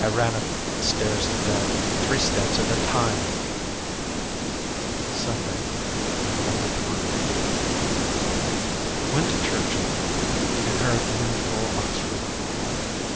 I ran up the stairs to bed, three steps at a time! "Sunday, November 20th. Went to church in the morning and heard the usual Oxford drawl.